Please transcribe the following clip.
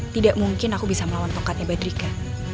tidak mungkin aku bisa melawan tongkatnya badrika